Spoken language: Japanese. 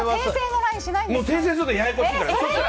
訂正するとややこしいから。